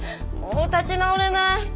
もう立ち直れない。